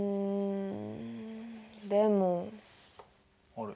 あれ？